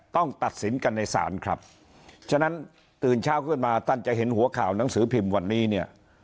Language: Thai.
ต้องตัดสินกันในศาลครับฉะนั้นตื่นเช้าขึ้นมาท่านจะเห็นหัวข่าวหนังสือพิมพ์วันนี้เนี่ย